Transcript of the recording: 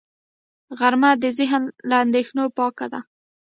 غرمه د ذهن له اندېښنو پاکي ده